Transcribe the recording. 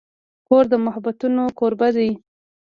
کور د محبتونو کوربه دی.